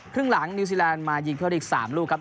ครึ่งหลังนิวซีแลนด์มายิงเพิ่มอีก๓ลูกครับ